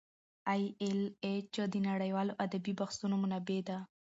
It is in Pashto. ای ایل ایچ د نړیوالو ادبي بحثونو منبع ده.